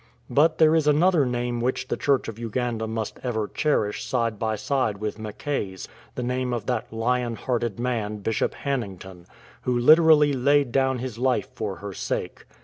But there is another name which the Church of Uganda must ever cherish side by side with Mackay''s — the name of that lion hearted man, Bishop Hannington, who literally laid down his life for her sake.